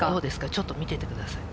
ちょっと見ていてください。